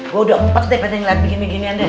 gue udah empet deh penting liat begini ginian deh